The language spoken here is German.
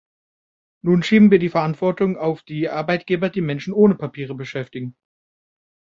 Nun schieben wir die Verantwortung auf die Arbeitgeber, die Menschen ohne Papiere beschäftigen.